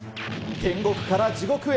天国から地獄へ。